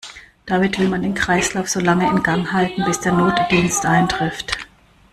Damit will man den Kreislauf solange in Gang halten, bis der Notdienst eintrifft.